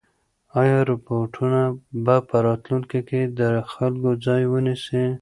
ایا روبوټونه به په راتلونکي کې د خلکو ځای ونیسي؟